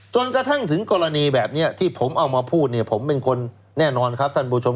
จนกระทั่งถึงกรณีแบบนี้ที่ผมเอามาพูดเนี่ยผมเป็นคนแน่นอนครับท่านผู้ชม